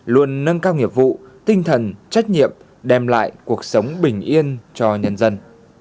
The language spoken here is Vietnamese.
luôn nâng cao nghiệp vụ tinh thần trách nhiệm đem lại cuộc sống bình yên cho nhân dân